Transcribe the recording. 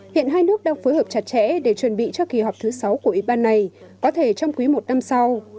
hiện hai nước đang phối hợp chặt chẽ để chuẩn bị cho kỳ họp thứ sáu của ủy ban này có thể trong quý một năm sau